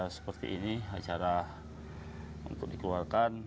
seperti ini acara untuk dikeluarkan